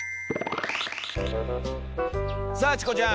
さあチコちゃん！